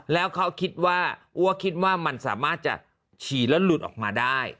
แล้วเขาคิดว่ามันสามารถจะฉีดแล้วหลุดออกมาได้